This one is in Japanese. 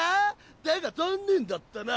だが残念だったな。